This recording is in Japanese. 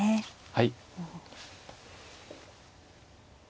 はい。